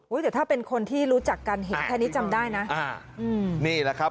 แต่ถ้าเป็นคนที่รู้จักกันเห็นแค่นี้จำได้นะอ่าอืมนี่แหละครับ